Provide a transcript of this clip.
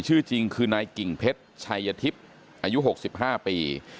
ชื่อจริงคือนายกิ่งเพชรชัยทิพย์อายุ๖๕ปี